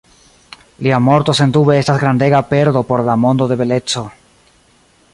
Lia morto sendube estas grandega perdo por la mondo de beleco.